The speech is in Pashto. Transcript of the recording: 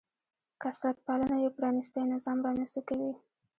کثرت پالنه یو پرانیستی نظام رامنځته کوي.